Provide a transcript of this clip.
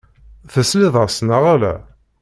Tesliḍ-as, neɣ ala?